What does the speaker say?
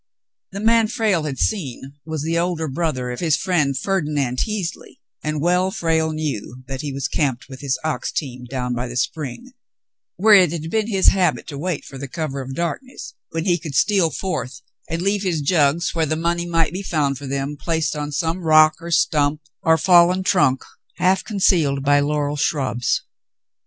The man Frale had seen was the older brother of his friend Ferdinand Teasley, and well Frale knew that he was camped with his ox team down by the spring, where it had David visits the Bishop 143 been his habit to wait for the cover of darkness, when he could steal forth and leave his jugs where the money might be found for them, placed on some rock or stump or fallen trunk half concealed by laurel shrubs.